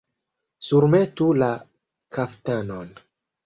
Surmetu la kaftanon!